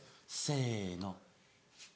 せの。